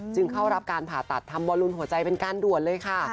เข้ารับการผ่าตัดทำบอลลูนหัวใจเป็นการด่วนเลยค่ะ